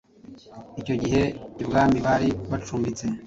Icyo gihe ibwami bari bacumbitse